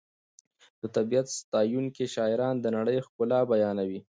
د طبیعت ستایونکي شاعران د نړۍ ښکلا بیانوي.